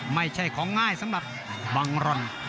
ไม่ใช่ของง่ายสำหรับบังร่อน